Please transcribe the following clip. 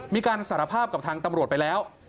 มีการสารภาพกับทางตำรวจไปแล้ว